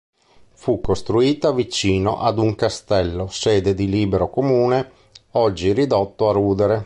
Fu costruita vicino ad un castello sede di libero comune, oggi ridotto a rudere.